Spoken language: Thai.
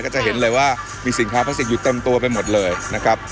จะเห็นเลยว่ามีสินค้าพลาสติกอยู่เต็มตัวไปหมดเลยนะครับ